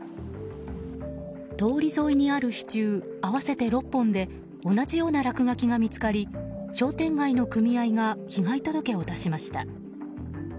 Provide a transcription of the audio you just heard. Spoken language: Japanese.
通り沿いにある支柱合わせて６本で同じような落書きが見つかり商店街の組合が被害届を出しました。